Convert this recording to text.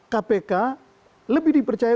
kpk lebih dipercaya